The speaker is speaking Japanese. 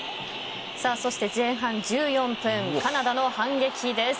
そして、前半１４分カナダの反撃です。